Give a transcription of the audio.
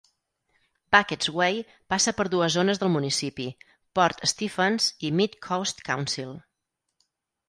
Bucketts Way passa per dues zones del municipi: Port Stephens i Mid-Coast Council.